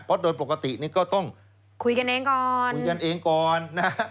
เพราะโดยปกตินี่ก็ต้องคุยกันเองก่อนคุยกันเองก่อนนะฮะ